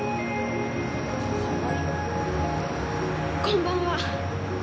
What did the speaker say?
こんばんは。